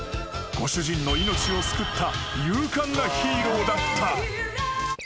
［ご主人の命を救った勇敢なヒーローだった］